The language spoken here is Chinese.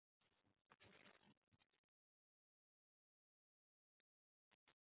没关系，我理解。